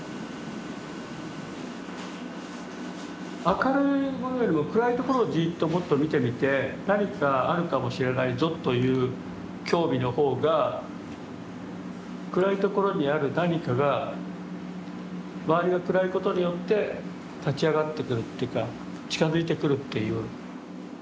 明るいものよりも暗い所をじっともっと見てみて何かあるかもしれないぞという興味の方が暗い所にある何かが周りが暗いことによって立ち上がってくるというか近づいてくるっていう。